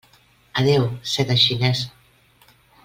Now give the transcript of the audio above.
Adéu seda xinesa!